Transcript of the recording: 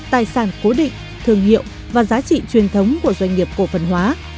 gian cố định thương hiệu và giá trị truyền thống của doanh nghiệp cổ phần hóa